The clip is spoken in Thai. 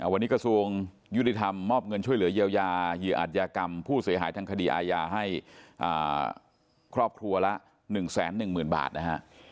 วันนี้กระทรวงยุติธรรมมอบเงินช่วยเหลือเยียวยาเหยื่ออาจยากรรมผู้เสียหายทางคดีอาญาให้ครอบครัวละ๑๑๐๐๐บาทนะฮะ